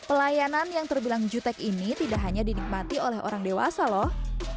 pelayanan yang terbilang jutek ini tidak hanya dinikmati oleh orang dewasa loh